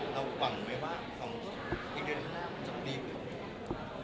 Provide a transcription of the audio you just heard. เราหวังไหมว่า๒ปีเดือนหน้าจะดีกว่า